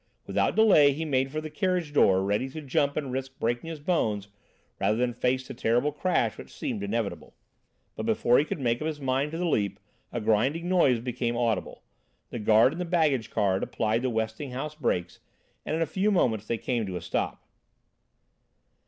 Without delay he made for the carriage door, ready to jump and risk breaking his bones rather than face the terrible crash which seemed inevitable. But before he could make up his mind to the leap, a grinding noise became audible. The guard in the baggage car had applied the Westinghouse brakes and in a few minutes they came to a stop.